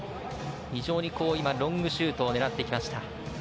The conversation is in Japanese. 非常にロングシュートを狙っていきました。